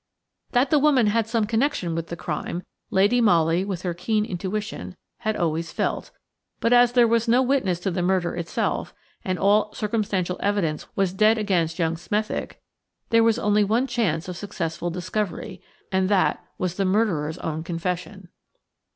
That the woman had had some connection with the crime, Lady Molly, with her keen intuition, had always felt; but as there was no witness to the murder itself, and all circumstantial evidence was dead against young Smethick, there was only one chance of successful discovery, and that was the murderer's own confession.